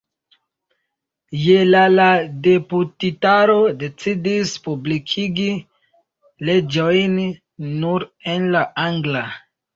Je la la deputitaro decidis publikigi leĝojn nur en la angla.